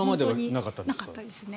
なかったですね。